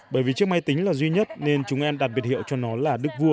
bởi vì chiếc máy tính là duy nhất nên chúng em đặt biệt hiệu cho nó là đức vua